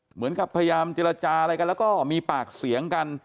เหมือนกับพยายามเจรจาอะไรกันแล้วก็มีปากเสียงกัน